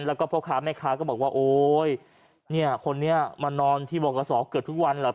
แล้วก็พ่อค้าแม่ค้าก็บอกว่าโอ๊ยเนี่ยคนนี้มานอนที่บอกกระสอบเกือบทุกวันแหละ